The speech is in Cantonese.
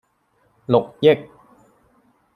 六億